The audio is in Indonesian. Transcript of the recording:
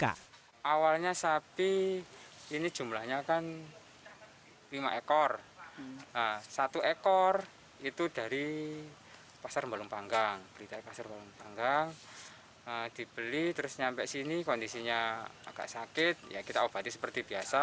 apabila dia sakit kita obati seperti biasa